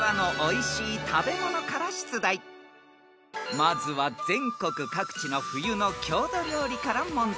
［まずは全国各地の冬の郷土料理から問題］